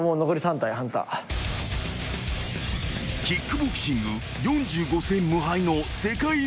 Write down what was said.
［キックボクシング４５戦無敗の世界